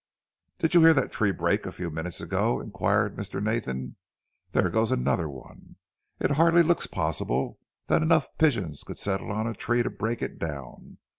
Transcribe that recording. "Did you hear that tree break a few minutes ago?" inquired Mr. Nathan. "There goes another one. It hardly looks possible that enough pigeons could settle on a tree to break it down.